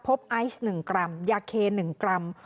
ไอซ์๑กรัมยาเค๑กรัม